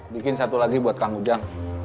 bikin satu lagi buat kang ujang